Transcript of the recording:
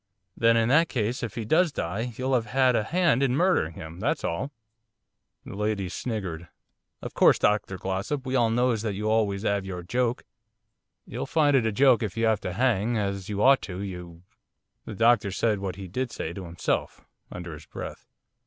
'Then in that case, if he does die you'll have had a hand in murdering him, that's all.' The lady sniggered. 'Of course Dr Glossop, we all knows that you'll always 'ave your joke.' 'You'll find it a joke if you have to hang, as you ought to, you ' The doctor said what he did say to himself, under his breath.